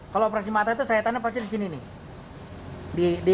kalau operasi mata itu saya tanda pasti disini nih